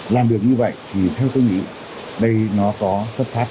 làm được như vậy thì theo tôi nghĩ đây nó có xuất phát